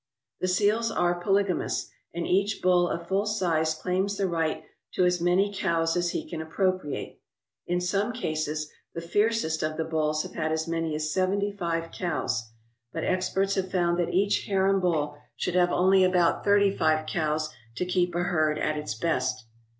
The seals are polygamous, and each bull of full size claims the right to as many cows as he can appropriate. In some cases the fiercest of the bulls have had as many as seventy five cows, but experts have found that each harem bull should have only about thirty five cows to keep a herd at its best.